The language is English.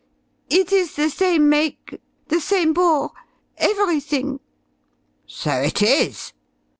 It is the same make, the same bore everything!" "So it is!"